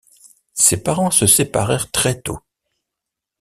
Ses parents se séparèrent très tôt.